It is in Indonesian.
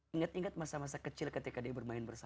ingat ingat masa masa kecil ketika dia bermain bersama